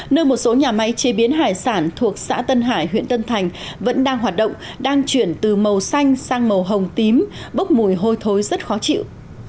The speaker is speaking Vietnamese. nơi một số nhà máy chế biến hải sản thuộc xã tân hải huyện tân thành vẫn đang hoạt động đang chuyển từ màu xanh sang màu hồng tím bốc mùi hôi thối rất khó chịu